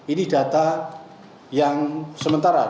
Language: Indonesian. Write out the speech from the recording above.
ini data yang sementara